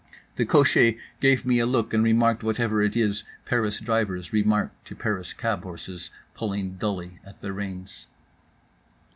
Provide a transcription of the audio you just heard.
The cocher gave me a look and remarked whatever it is Paris drivers remark to Paris cab horses, pulling dully at the reins.